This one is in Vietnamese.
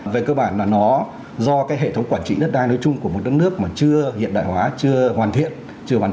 về cơ bản là nó do cái hệ thống quản trị đất đai nói chung của một đất nước mà chưa hiện đại hóa chưa hoàn thiện